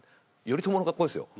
頼朝の格好ですよ